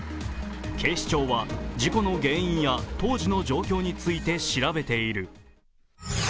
警視庁は事故の原因や当時の状況について調べている。